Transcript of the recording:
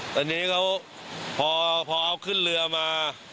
ตอนนี้เขาพอเอาขึ้นเรือมา